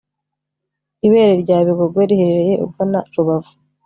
Ibere ryabigogwe riherereye ugana rubavu